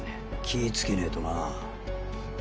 気ぃつけねぇとな。